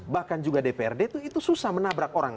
bahkan juga dprd itu susah menabrak orang